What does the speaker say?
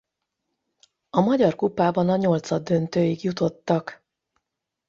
A Magyar Kupában a nyolcaddöntőig jutottak.